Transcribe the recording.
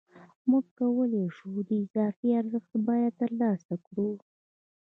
موږ کولای شو د اضافي ارزښت بیه ترلاسه کړو